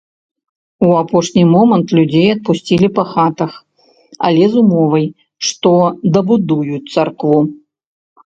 У апошні момант людзей адпусцілі па хатах, але з умовай, што дабудуюць царкву.